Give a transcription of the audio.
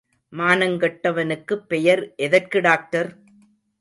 மானங்கெட்டவனுக்குப் பெயர் எதற்கு டாக்டர்?